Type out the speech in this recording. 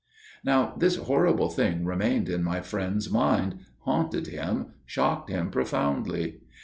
"Now this horrible thing remained in my friend's mind, haunted him, shocked him profoundly.